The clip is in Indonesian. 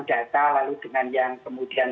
data lalu dengan yang kemudian